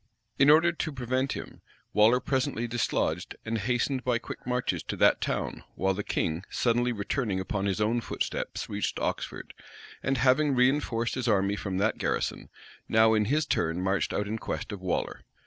In order to prevent him, Waller presently dislodged, and hastened by quick marches to that town while the king, suddenly returning upon his own footsteps reached Oxford; and having reënforced his army from that garrison, now in his turn marched out in quest of Waller.